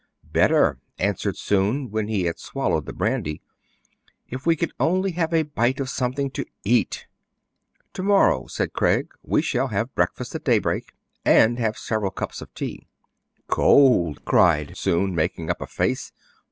"Better," answered Soun, when he had swal lowed the brandy. " If we could only have a bite of something to eat !"To morrow,*' said Craig, "we shall breakfast at daybreak, and have several cups of tea." " Cold !" cried Soun, making up a face.